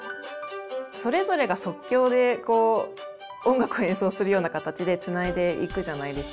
それぞれが即興で音楽を演奏するような形でつないでいくじゃないですか。